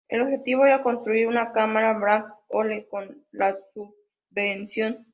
El objetivo era construir una cámara Black Hole con la subvención.